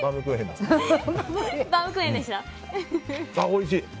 おいしい。